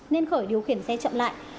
nên khởi điều khiển xe chậm lại